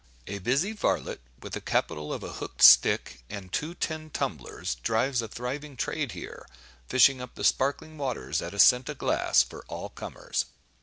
A busy varlet, with a capital of a hooked stick and two tin tumblers, drives a thriving trade here, fishing up the sparkling waters at a cent a glass, for all comers.